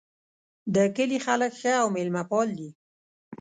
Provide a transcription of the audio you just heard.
د کلي خلک ښه او میلمه پال دي